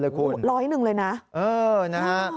ร้อยหนึ่งเลยนะ